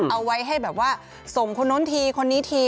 เอาไว้ให้ส่งคนนั้นทีคนนี้ที